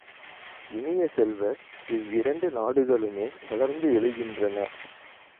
இனிய செல்வ, இவ்விரண்டு நாடுகளுமே வளர்ந்து எழுகின்றன.